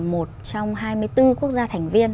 một trong hai mươi bốn quốc gia thành viên